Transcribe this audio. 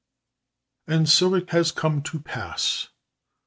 And so it has come to pass.